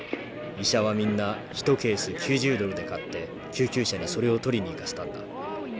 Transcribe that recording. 医者はみんな１ケース９０ドルで買って救急車でそれを取りに行かせたんだ。